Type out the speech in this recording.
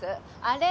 あれ！